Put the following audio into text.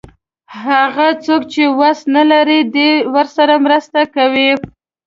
هغه څوک چې وس نه لري دی ورسره مرسته کوي.